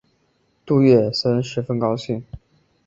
杜月笙十分高兴。